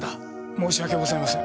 申し訳ございません。